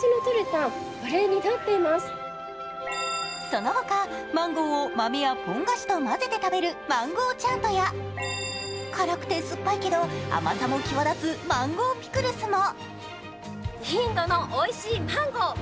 その他、マンゴーを豆やポン菓子と混ぜて食べるマンゴーチャートや辛くて酸っぱいけど甘さも際立つマンゴーピクルスも。